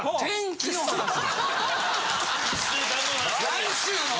来週の！？